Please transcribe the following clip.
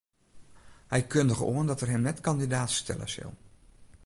Hy kundige oan dat er him net kandidaat stelle sil.